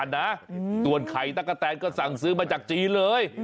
ส่วนไข่ตะกะแตนก็สั่งซื้อมาจากจีนเลย